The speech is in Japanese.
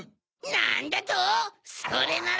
なんだと⁉それなら！